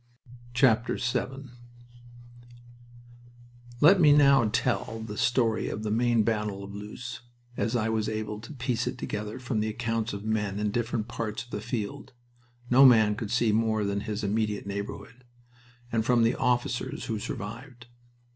VII Let me now tell the story of the main battle of Loos as I was able to piece it together from the accounts of men in different parts of the field no man could see more than his immediate neighborhood and from the officers who survived.